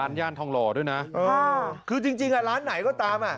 อ้านย่านทองหล่อด้วยนะค่ะคือจริงอ่ะร้านไหนก็ตามอ่ะ